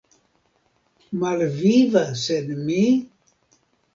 malviva sen mi?